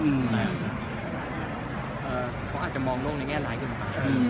เขาอาจจะมองโลกในแง่ร้ายกันก่อน